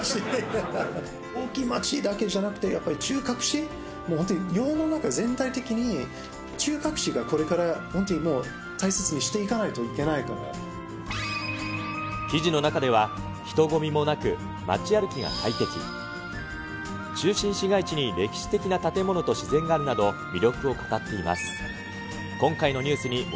大きい街だけじゃなくて、やっぱり中核市、本当に世の中全体的に中核市がこれから本当に大切にしていかなき記事の中では、人混みもなく、街歩きが快適、中心市街地に歴史的な建物と自然があるなど、魅力を語っています。